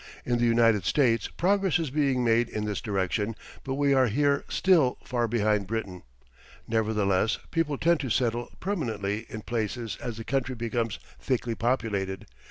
In the United States progress is being made in this direction, but we are here still far behind Britain. Nevertheless, people tend to settle permanently in places as the country becomes thickly populated.